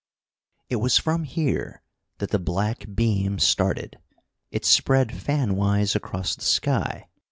It was from here that the black beam started. It spread fanwise across the sky.